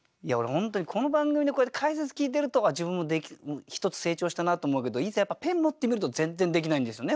本当にこの番組でこうやって解説聞いてると自分も一つ成長したなと思うけどいざやっぱペン持ってみると全然できないんですよね